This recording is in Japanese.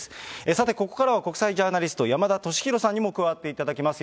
さて、ここからは国際ジャーナリスト、山田敏弘さんにも加わっていただきます。